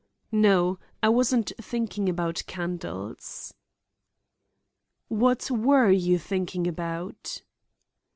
"No. I wasn't thinking about candles." "What were you thinking about?"